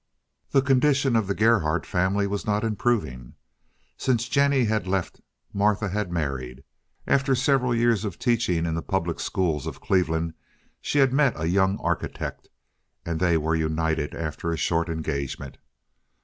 The condition of the Gerhardt family was not improving. Since Jennie had left Martha had married. After several years of teaching in the public schools of Cleveland she had met a young architect, and they were united after a short engagement.